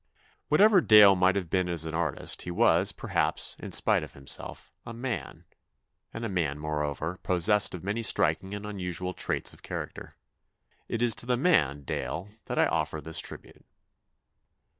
Whatever Dale may have been as an artist, he was, perhaps in spite of himself, a man, and a man more over, possessed of many striking and unusual traits of character. It is to the man Dale that I offer this tribute.